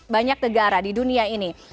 banyak negara di dunia ini